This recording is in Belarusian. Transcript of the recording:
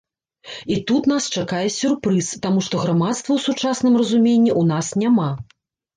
І тут нас чакае сюрпрыз, таму што грамадства ў сучасным разуменні ў нас няма.